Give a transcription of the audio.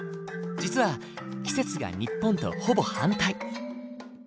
実は季節が日本とほぼ反対。